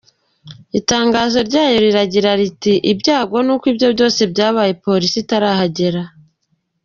Itangazo ryayo riragira riti “Ibyago ni uko ibyo byose byabaye polisi itarahagera.